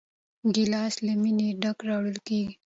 ګیلاس له مینې ډک راوړل کېږي.